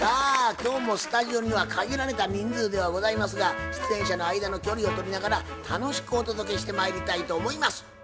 今日もスタジオには限られた人数ではございますが出演者の間の距離を取りながら楽しくお届けしてまいりたいと思います。